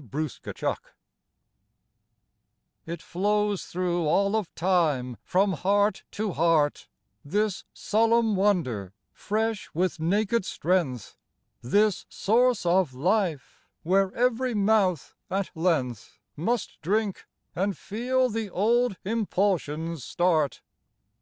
123 XXX II IT flows thro' all of time from heart to heart, This solemn wonder fresh with naked strength, This source of life where every mouth at length Must drink and feel the old impulsions start.